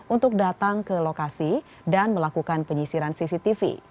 untuk datang ke lokasi dan melakukan penyisiran cctv